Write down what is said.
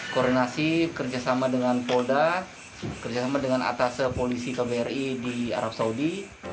koordinasi kerjasama dengan polda kerjasama dengan atas polisi kbri di arab saudi